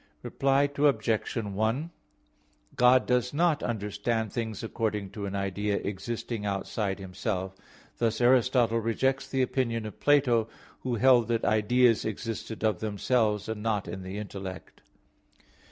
Reply Obj. 1: God does not understand things according to an idea existing outside Himself. Thus Aristotle (Metaph. ix) rejects the opinion of Plato, who held that ideas existed of themselves, and not in the intellect.